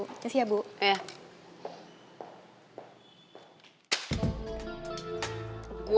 nih sih ya bu